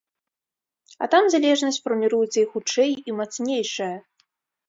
А там залежнасць фарміруецца і хутчэй, і мацнейшая.